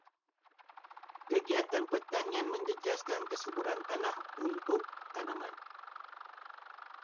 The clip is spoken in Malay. Kegiatan pertanian menjejaskan kesuburan tanah untuk tanaman.